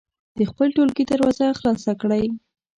د خپل ټولګي دروازه خلاصه کړئ.